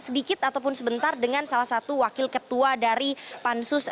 sedikit ataupun sebentar dengan salah satu wakil ketua dari pansus